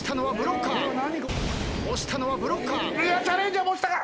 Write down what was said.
うわっチャレンジャーも来たか！